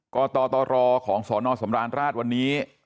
กตรของสนสำราญราชวันนี้